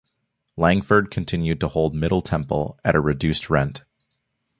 Langford continued to hold Middle Temple at a reduced rent.